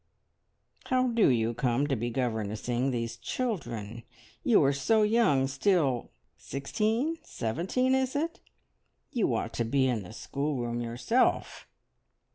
"How do you come to be governessing these children? You are so young still sixteen seventeen, is it? You ought to be in the schoolroom yourself!"